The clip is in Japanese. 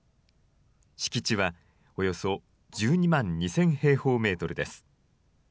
敷地はおよそ１２万２０００平方メートルです。